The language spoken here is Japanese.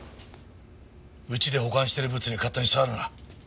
うちで保管してるブツに勝手に触るな。